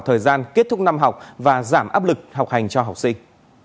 thời gian kết thúc năm học và giảm áp lực học hành cho học sinh